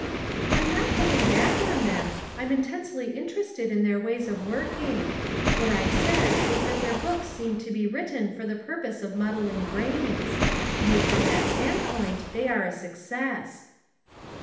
"I'm not going hack on them; I'm immensely interested in their ways of working. "What I said was that their hooks seemed to he written for the purpose of muddling brains; viewed from that standpoint they are a success."